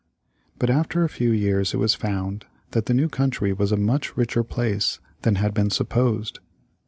But after a few years it was found that the new country was a much richer place than had been supposed.